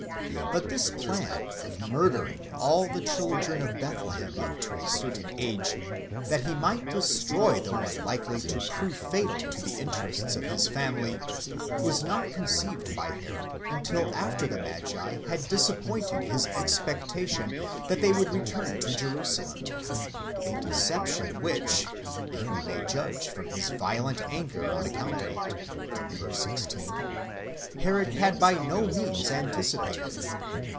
But : this plan of murdering all the children of Bethlehem up to a certain age, that : he might destroy the one likely to prove fatal to the interests of his family, was not conceived by Herod until after the magi had disappointed his expect ation that they would return to Jerusalem; a deception which, if we may judge from his violent anger on account of it (v. 16), Herod had by no means anticipated.